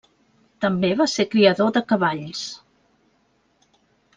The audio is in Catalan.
També va ser criador de cavalls.